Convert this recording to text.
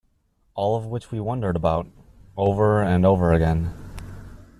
All of which we wondered about, over and over again.